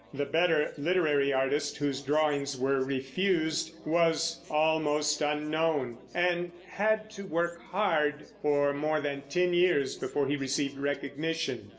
The better literary artist, whose drawings were refused, was almost unknown, and had to work hard for more than ten years before he received recognition.